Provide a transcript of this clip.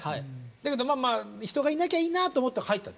だけどまあ人がいなきゃいいなと思って入ったの。